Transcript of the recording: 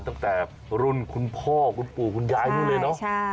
ตั้งแต่รุ่นคุณพ่อคุณปู่คุณยายนู่นเลยเนอะ